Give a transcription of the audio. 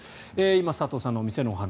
今、佐藤さんのお店のお話。